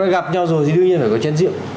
gặp nhau rồi thì đương nhiên phải có chiến rượu